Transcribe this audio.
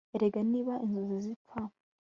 erega niba inzozi zipfa